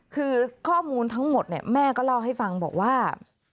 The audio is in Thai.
คือข้อมูลทั้งหมดเนี่ยแม่ก็เล่าให้ฟังบอกว่า